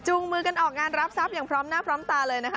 มือกันออกงานรับทรัพย์อย่างพร้อมหน้าพร้อมตาเลยนะคะ